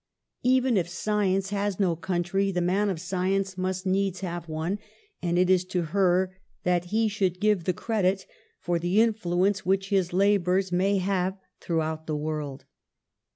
"Even if science has no country, the man of science must needs have one, and it is to her that he should give the credit for the influence which his labours may have throughout the world.